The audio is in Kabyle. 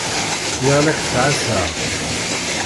Lliɣ la k-ttɛassaɣ.